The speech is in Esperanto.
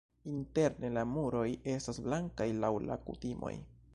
Interne la muroj estas blankaj laŭ la kutimoj.